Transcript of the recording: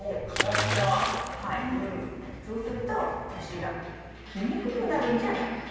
そうすると虫が来にくくなるんじゃないかな。